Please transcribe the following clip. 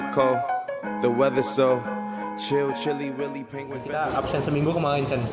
kita absen seminggu kemarin ken